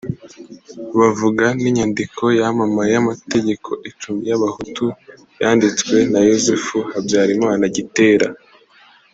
bavuga n’inyandiko yamamaye y’Amategeko icumi y’Abahutu yanditswe na Yozefu Habyarimana Gitera